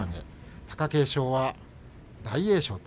貴景勝は大栄翔と。